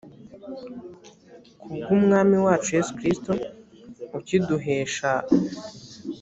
ku bw umwami wacu yesu kristo ukiduhesha